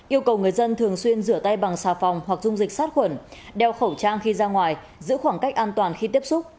yêu cầu người dân thường xuyên rửa tay bằng xà phòng hoặc dung dịch sát khuẩn đeo khẩu trang khi ra ngoài giữ khoảng cách an toàn khi tiếp xúc